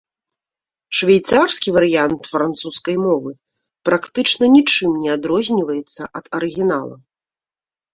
Швейцарскі варыянт французскай мовы практычна нічым не адрозніваецца ад арыгінала.